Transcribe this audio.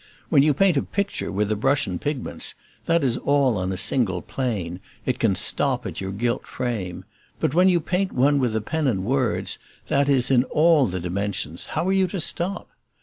When you paint a picture with a brush and pigments, that is on a single plane, it can stop at your gilt frame; but when you paint one with a pen and words, that is in ALL the dimensions, how are you to stop?